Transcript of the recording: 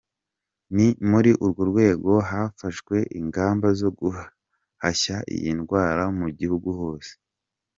Ni muri urwo rwego hafashwe ingamba zo guhashya iyi ndwara mu gihugu hose.